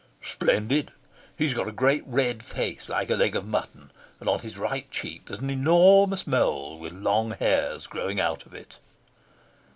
"Splendid. He's got a great red face like a leg of mutton, and on his right cheek there's an enormous mole with long hairs growing out of it."